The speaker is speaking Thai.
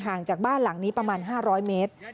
จากบ้านหลังนี้ประมาณ๕๐๐เมตร